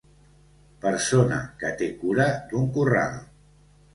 Persona que té cura d'un corral.